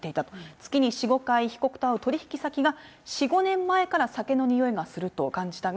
月に４、５回被告と会う取り引き先が、４、５年前から酒の臭いがすると感じたが。